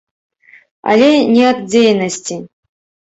Але не ад дзейнасці.